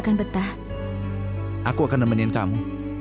nah kena kamu